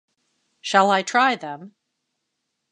Shall I try them?